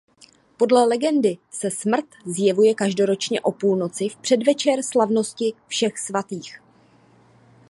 Podle legendy se „Smrt“ zjevuje každoročně o půlnoci v předvečer slavnosti Všech svatých.